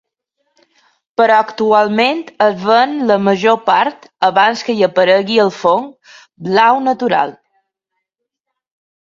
Però actualment es ven la major part abans que hi aparegui el fong blau natural.